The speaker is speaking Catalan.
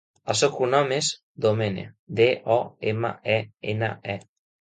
El seu cognom és Domene: de, o, ema, e, ena, e.